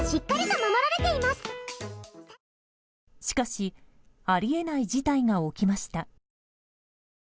しかし、あり得ない事態が起きました。